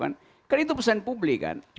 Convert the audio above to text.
karena itu pesan publik